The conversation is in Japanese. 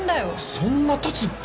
そんなたつっけ？